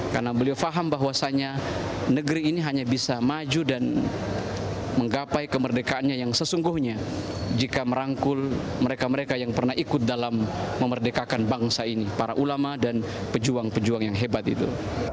karena beliau paham bahwasannya negeri ini hanya bisa maju dan menggapai kemerdekaannya yang sesungguhnya jika merangkul mereka mereka yang pernah ikut dalam memerdekakan bangsa ini para ulama dan pejuang pejuang yang hebat itu